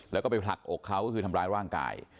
แล้วก็ไปผลักอกเขาก็คือทำร้ายร่างกาย